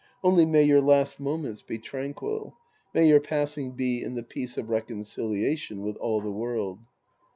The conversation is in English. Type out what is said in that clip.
Only, may your last moments be tranquil. May your passing be in the peace of reconciliation with all the world.